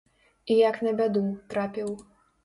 І як на бяду, трапіў.